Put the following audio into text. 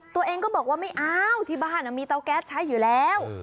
ตัวเองก็บอกว่าไม่เอาที่บ้านมีเตาแก๊สใช้อยู่แล้ว